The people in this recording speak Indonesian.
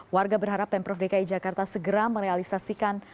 warga berharap pemprov dki jakarta segera merealisasikan